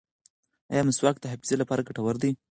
ایا مسواک د حافظې لپاره ګټور دی؟